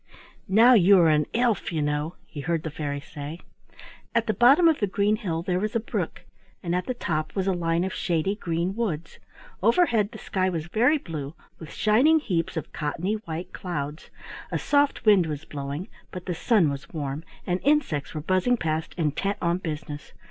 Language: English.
"Now you are an elf, you know," he heard the fairy say. At the bottom of the green hill there was a brook, and at the top was a line of shady green woods. Overhead the sky was very blue, with shining heaps of cottony white clouds; a soft wind was blowing, but the sun was warm, and insects were buzzing past intent on business.